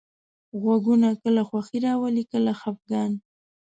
غږونه کله خوښي راولي، کله خپګان.